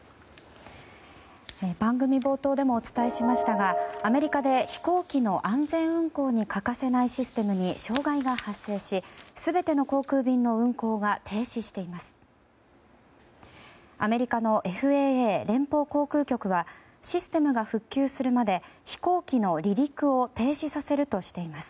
番組冒頭でもお伝えしましたがアメリカで飛行機の安全運航に欠かせないシステムに障害が発生し全ての航空便の運航が停止しています。